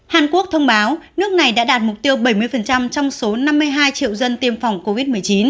hàn quốc thông báo nước này đã đạt mục tiêu bảy mươi trong số năm mươi hai triệu dân tiêm phòng covid một mươi chín